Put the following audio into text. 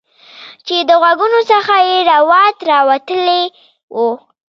چې د غوږونو څخه یې روات راوتلي وو